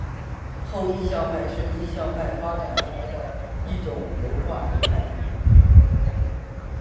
后印象派是印象派发展而来的一种油画流派。